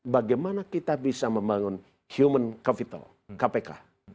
bagaimana kita bisa membangun human capital kpk